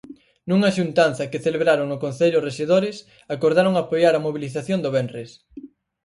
Nunha xuntanza que celebraron no concello os rexedores acordaron apoiar a mobilización do venres.